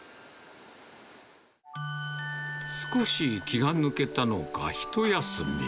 少し気が抜けたのか、一休み。